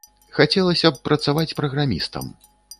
Хацелася б працаваць праграмістам.